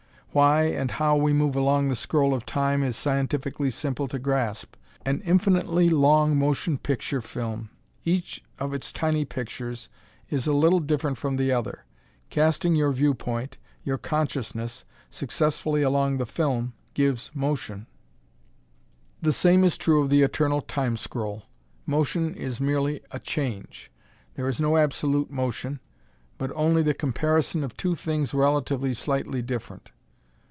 Why and how we move along the scroll of Time, is scientifically simple to grasp. Conceive, for instance, an infinitely long motion picture film. Each of its tiny pictures is a little different from the other. Casting your viewpoint your consciousness successively along the film, gives motion. The same is true of the Eternal Time scroll. Motion is merely a change. There is no absolute motion, but only the comparison of two things relatively slightly different.